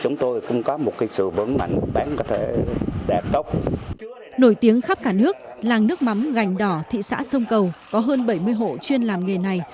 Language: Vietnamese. nổi tiếng khắp cả nước làng nước mắm gành đỏ thị xã sông cầu có hơn bảy mươi hộ chuyên làm nghề này